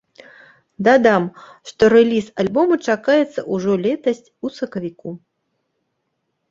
Дадам, што рэліз альбому чакаецца ўжо летась у сакавіку.